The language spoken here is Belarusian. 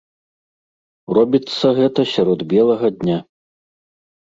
Робіцца гэта сярод белага дня.